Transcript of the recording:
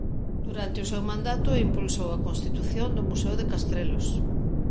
Durante o seu mandato impulsou a constitución do Museo de Castrelos.